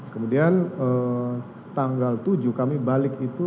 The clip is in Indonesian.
kemudian tanggal tujuh kami balik itu